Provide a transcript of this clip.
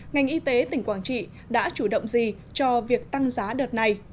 ngành y tế tỉnh quảng trị đã chủ động gì cho việc tăng giá đợt này